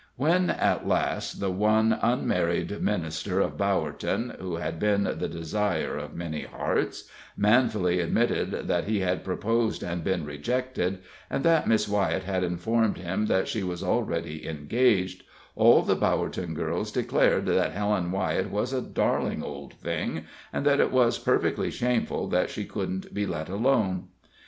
When at last the one unmarried minister of Bowerton, who had been the desire of many hearts, manfully admitted that he had proposed and been rejected, and that Miss Wyett had informed him that she was already engaged, all the Bowerton girls declared that Helen Wyett was a darling old thing, and that it was perfectly shameful that she couldn't be let alone.